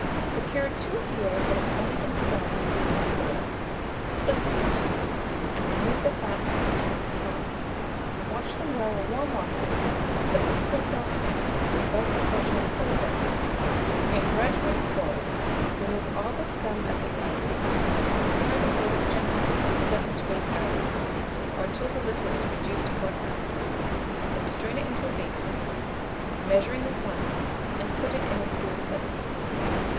Procure 2 heels that have only been scalded, and not boiled; split them in two, and remove the fat between the claws; wash them well in warm water, and put them into a saucepan with the above proportion of cold water; bring it gradually to boil, remove all the scum as it rises, and simmer the heels gently from 7 to 8 hours, or until the liquor is reduced one half; then strain it into a basin, measuring the quantity, and put it in a cool place.